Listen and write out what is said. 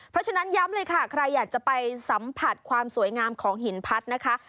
เพราะฉะนั้นย้ำเลยค่ะใครอยากจะไปสัมผัสความสวยงามของหินพัดนะคะ